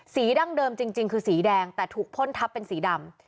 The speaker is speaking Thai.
ดั้งเดิมจริงคือสีแดงแต่ถูกพ่นทับเป็นสีดำ